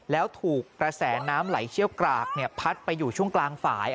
แล้วถูกกระแสน้ำไหลเชี่ยวกรากพัดไปอยู่ช่วงกลางฝ่าย